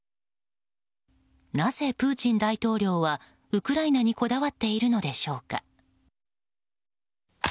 なぜ、プーチン大統領はウクライナにこだわっているのでしょうか。